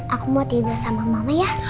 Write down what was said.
aku mau tidur sama mama ya